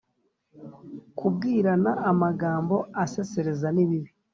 kubwirana amagambo asesereza ni bibi